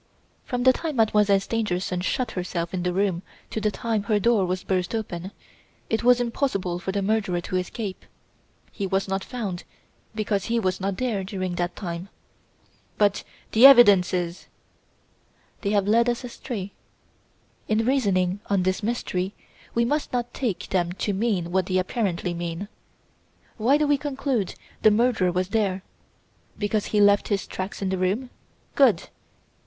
From the time Mademoiselle Stangerson shut herself in the room to the time her door was burst open, it was impossible for the murderer to escape. He was not found because he was not there during that time." "But the evidences?" "They have led us astray. In reasoning on this mystery we must not take them to mean what they apparently mean. Why do we conclude the murderer was there? Because he left his tracks in the room? Good!